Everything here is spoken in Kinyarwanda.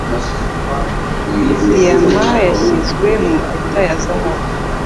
Diyama yashyizwe mu mpeta ya zahabu.